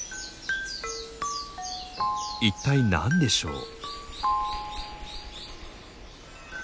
一体何でしょう？